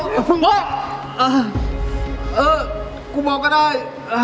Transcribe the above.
มึงวะกูบอกก็ได้